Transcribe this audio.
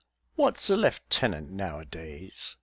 "What's a lieutenant, now a days?"